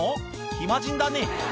暇人だね